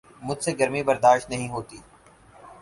مجھ سے گرمی برداشت نہیں ہوتی